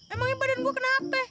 emangnya badan gue kenapa